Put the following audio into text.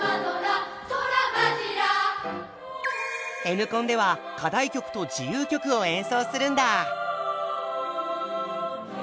Ｎコンでは課題曲と自由曲を演奏するんだ。